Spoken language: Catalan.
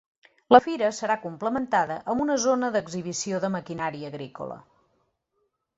La fira serà complementada amb una zona d’exhibició de maquinària agrícola.